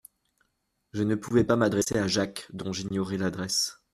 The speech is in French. Je ne pouvais pas m'adresser à Jacques, dont j'ignorais l'adresse.